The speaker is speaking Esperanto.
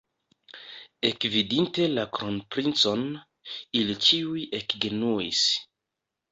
Ekvidinte la kronprincon, ili ĉiuj ekgenuis.